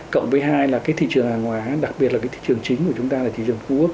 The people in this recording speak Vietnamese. cộng với hai là cái thị trường hàng hóa đặc biệt là cái thị trường chính của chúng ta là thị trường phú quốc